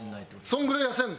そのぐらい痩せるの？